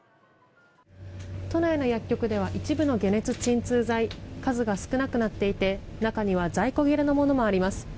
都内の薬局では一部の解熱鎮痛剤数が少なくなっていて、中には在庫切れのものもあります。